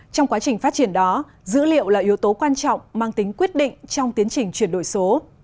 trong quá trình phát triển đó dữ liệu là yếu tố quan trọng mang tính quyết định trong tiến trình chuyển đổi số